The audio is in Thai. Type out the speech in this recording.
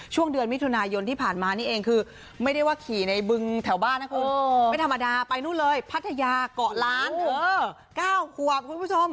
ช่วงเดือนมิถุนายนที่ผ่านมานี่เองคือไม่ได้ว่าขี่ในบึงแถวบ้านนะคุณไม่ธรรมดาไปนู่นเลยพัทยาเกาะล้านเถอะ๙ขวบคุณผู้ชม